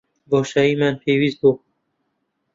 بۆشاییمان پێویست بوو.